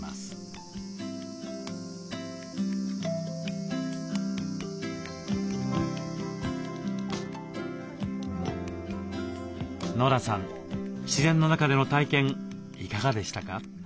自然の中での体験いかがでしたか？